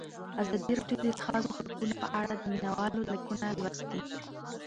ازادي راډیو د د ښځو حقونه په اړه د مینه والو لیکونه لوستي.